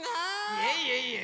いえいえいえ！